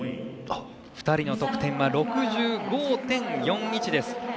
２人の得点は６５．４１です。